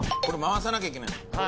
これ回さなきゃいけない。